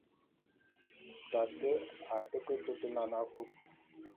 Tate a té ke tôt nane afúp.